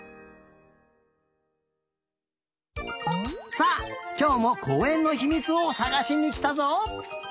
さあきょうもこうえんのひみつをさがしにきたぞ。